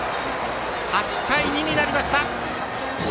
８対２になりました。